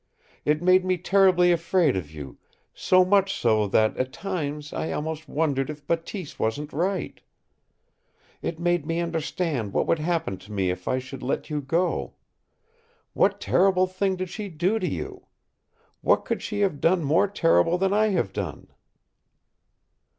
It made me terribly afraid of you so much so that at times I almost wondered if Bateese wasn't right. It made me understand what would happen to me if I should let you go. What terrible thing did she do to you? What could she have done more terrible than I have done?"